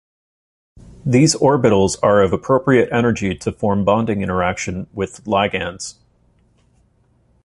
These orbitals are of appropriate energy to form bonding interaction with ligands.